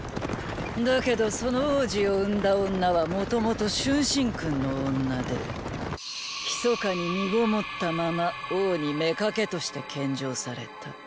だけどその王子を産んだ女はもともと春申君の女で密かに身籠ったまま王に妾として献上された。